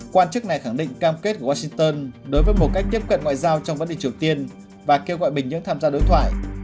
quan chức này khẳng định cam kết của washington đối với một cách tiếp cận ngoại giao trong vấn đề triều tiên và kêu gọi bình nhưỡng tham gia đối thoại